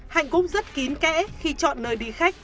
hạnh cũng rất kín kẽ khi chọn nơi đi khách